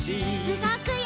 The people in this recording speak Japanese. うごくよ！